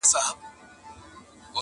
مار دي په لستوڼي کي آدم ته ور وستلی دی!!